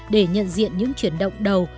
để nhận diện những chuyển động đầu